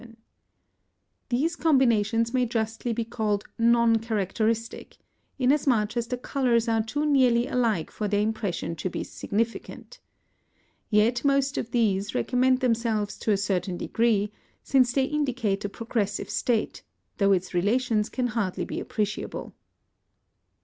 These combinations may justly be called non characteristic, inasmuch as the colours are too nearly alike for their impression to be significant. Yet most of these recommend themselves to a certain degree, since they indicate a progressive state, though its relations can hardly be appreciable.